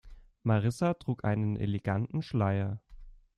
Marissa trug einen eleganten Schleier.